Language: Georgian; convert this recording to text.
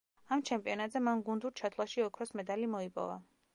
ამ ჩემპიონატზე მან გუნდურ ჩათვლაში ოქროს მედალი მოიპოვა.